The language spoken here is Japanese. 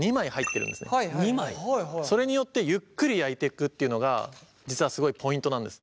それによってゆっくり焼いていくっていうのが実はすごいポイントなんです。